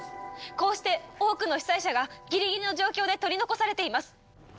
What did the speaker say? こうして多くの被災者がギリギリの状況で取り残されています。